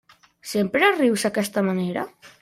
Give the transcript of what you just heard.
Sempre rius d'aquesta manera?